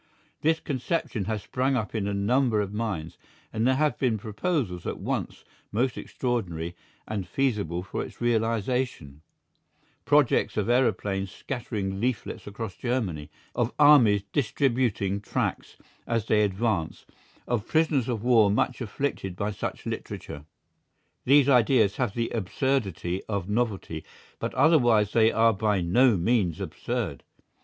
This conception has sprung up in a number of minds, and there have been proposals at once most extraordinary and feasible for its realisation, projects of aeroplanes scattering leaflets across Germany, of armies distributing tracts as they advance, of prisoners of war much afflicted by such literature. These ideas have the absurdity of novelty, but otherwise they are by no means absurd.